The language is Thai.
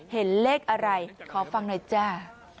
เห็นเลขอะไรขอฟังหน่อยจ้า